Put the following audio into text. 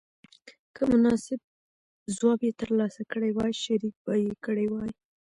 که مناسب ځواب یې تر لاسه کړی وای شریک به یې کړی وای.